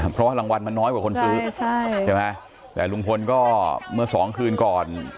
เพราะว่ารางวัลมันน้อยกว่าคนซื้อใช่ไหมแต่ลุงพลก็เมื่อสองคืนก่อน